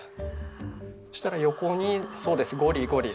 そしたら横にそうですゴリゴリ。